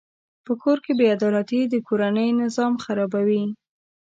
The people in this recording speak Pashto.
په کور کې بېعدالتي د کورنۍ نظام خرابوي.